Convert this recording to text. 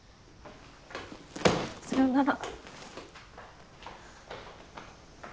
さよなら